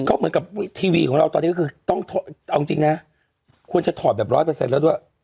ก็เหมือนกับทีวีของเราตอนนี้ก็คือต้องเอาจริงนะควรจะถอดแบบร้อยเปอร์เซ็นต์แล้วด้วย